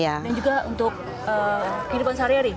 dan juga untuk kehidupan sehari hari